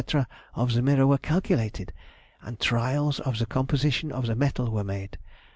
of the mirror were calculated, and trials of the composition of the metal were made.